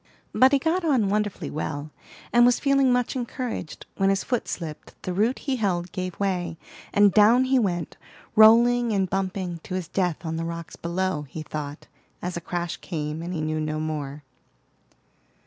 But he got on wonderfully well, and was feeling much encouraged, when his foot slipped, the root he held gave way, and down he went, rolling and bumping to his death on the rocks below, he thought, as a crash came, and he knew no more.